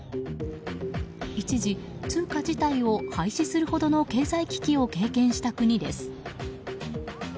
一時、通貨自体を廃止するほどの経済危機を経験した国です。